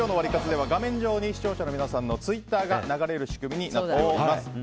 では画面上に視聴者の皆さんのツイッターが流れる仕組みになっております。